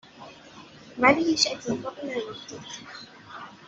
.ولی هیچ اتفاقی نیفتاد